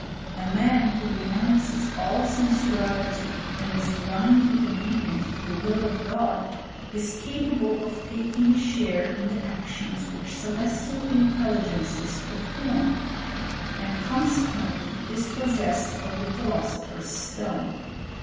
A man who renounces all sensuality, and is blindly obedient to the will of God, is capable of taking a share in the actions which celestial intel ligences perform ; and consequently is possessed of the philosopher's stone.